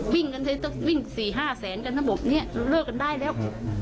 วิ่ง๔๕แสนกันระบบนี้เลิกกันได้แล้ว